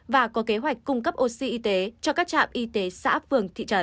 và có kế hoạch cung cấp oxy y tế cho các trạm y tế xã phường thị trấn